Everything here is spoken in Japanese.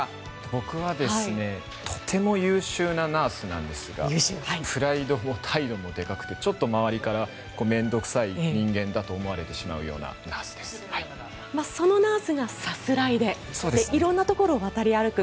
僕はとても優秀なナースなんですがプライドも態度もでかくてちょっと周りから面倒臭い人間だと思われてしまうようなそのナースがさすらいで色んなところを渡り歩く。